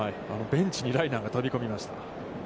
ベンチにライナーが飛び込みました。